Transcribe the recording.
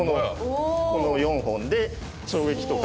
この４本で衝撃とか。